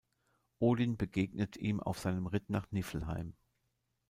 Odin begegnet ihm auf seinem Ritt nach Niflheim.